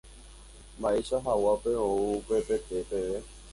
mba'eicha hag̃uápa ou upepete peve